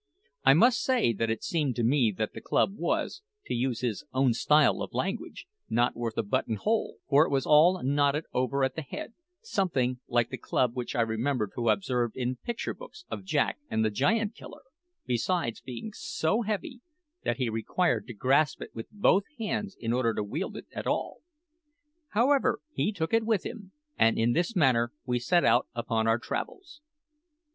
I must say that it seemed to me that the club was, to use his own style of language, not worth a button hole; for it was all knotted over at the head, something like the club which I remember to have observed in picture books of Jack the Giant killer, besides being so heavy that he required to grasp it with both hands in order to wield it at all. However, he took it with him, and in this manner we set out upon our travels.